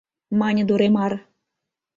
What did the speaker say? — мане Дуремар.